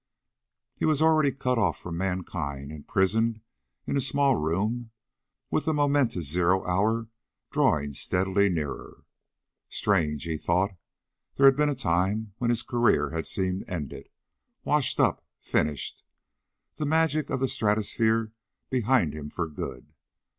He was already cut off from mankind, imprisoned in a small room with the momentous zero hour drawing steadily nearer. Strange, he thought, there had been a time when his career had seemed ended, washed up, finished, the magic of the stratosphere behind him for good.